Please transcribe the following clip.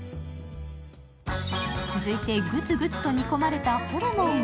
続いてぐつぐつと煮込まれたホルモンは？